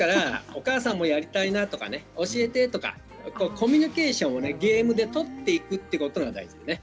お母さんもやりたいなとか教えてとかコミュニケーションをゲームで取っていくということが大事です。